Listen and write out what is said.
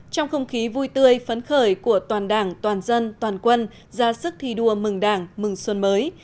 trong không khí vui tươi phấn khởi của toàn đảng toàn dân toàn quân ra sức thi đua mừng đảng mừng xuân mới